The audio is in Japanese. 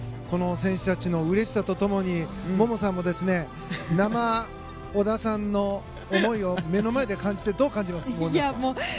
この選手たちのうれしさとともに萌々さんも生織田さんの思いを目の前で感じてどう感じますか？